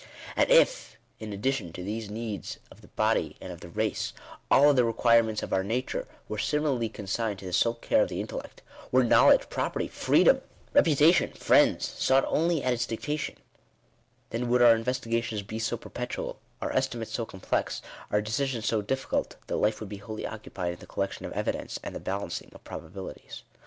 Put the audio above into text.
And if, in addition to these needs of tbe body, and of the race, all other requirements of our nature were similarly consigned to the sole care of the intellect — were knowledge, property, freedom, reputation, friends, sought only at its dictation — then would our investi gations be so perpetual, our estimates so complex, our decisions so difficult, that life would be wholly occupied in the collection of evidence, and the balancing of probabilities.